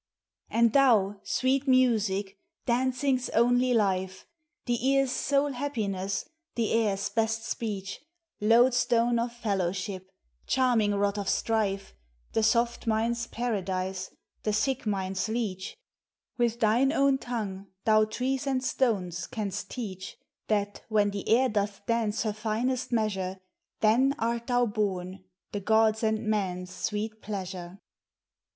And thou, sweet Music, dancing's only life, The ear's sole happiness, the air's best speeck, Loadstone of fellowship, charming rod of strife, The soft mind's paradise, the sick mind's leech —• With thine own tongue thou trees and stones canst teach, That, when the air doth dance her finest measure, Then art thou born, the gods' and men's sweet pleasure.